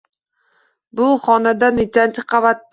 Bu xona nechanchi qavatda?